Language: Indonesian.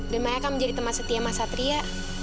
dan maya akan menjadi teman setia mas satria